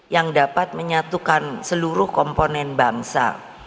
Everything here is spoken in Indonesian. yang dapat menyatukan seluruh komponen bangsa